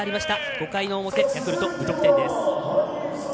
５回の表ヤクルト無得点です。